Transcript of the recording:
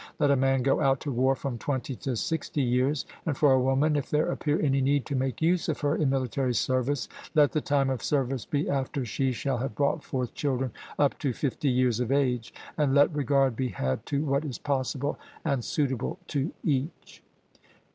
Let a man go out to war from twenty to sixty years, and for a woman, if there appear any need to make use of her in military service, let the time of service be after she shall have brought forth children up to fifty years of age; and let regard be had to what is possible and suitable to each.